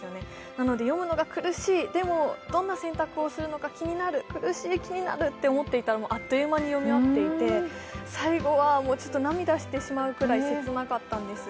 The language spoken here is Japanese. なので読むのが苦しい、でもどんな選択をするのか気になる、苦しい、気になると思っていたら、あっという間に読み終わっていて、最後は涙してしまうぐらい切なかったんです。